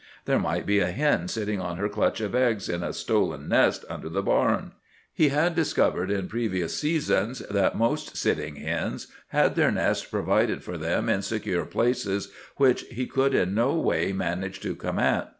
There might be a hen sitting on her clutch of eggs in a stolen nest under the barn. He had discovered in previous seasons that most sitting hens had their nests provided for them in secure places which he could in no way manage to come at.